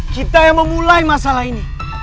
kita yang memulai masalah ini